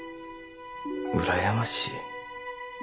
うらやましい？